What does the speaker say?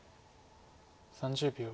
３０秒。